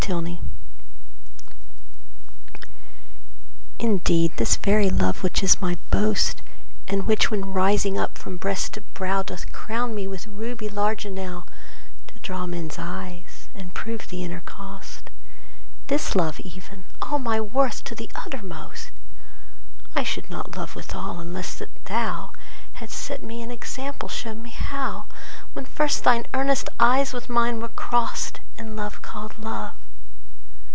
XII Indeed this very love which is my boast, And which, when rising up from breast to brow, Doth crown me with ruby large enow To draw men's eyes and prove the inner cost, This love even, all my worth, to the uttermost, I should not love withal, unless that thou Hadst set me an example, shown me how, When first thine earnest eyes with mine were crossed, And love called love.